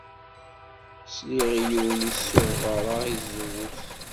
Sliɣ i yiwen isuɣ beṛṛa i tzewwut.